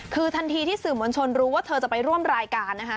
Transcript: คือทันทีที่สื่อมวลชนรู้ว่าเธอจะไปร่วมรายการนะคะ